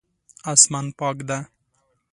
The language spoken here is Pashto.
اسمان پاک ده